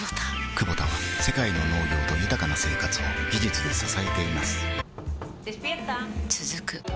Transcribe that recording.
クボタは世界の農業と豊かな生活を技術で支えています起きて。